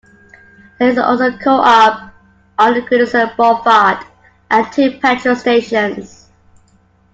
There is also a Co-Op on Goodison Boulevard, and two petrol stations.